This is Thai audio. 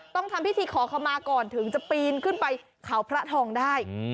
ต้องทำพิธีขอขมาก่อนถึงจะปีนขึ้นไปเขาพระทองได้